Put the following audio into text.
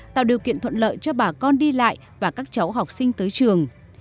tạo điều kiện thuận lợi cho bà con đi lại và các cháu học sinh tới trường